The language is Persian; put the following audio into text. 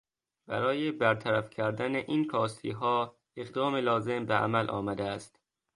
برای برطرف کردن این کاستیها اقدام لازم به عمل آمده است.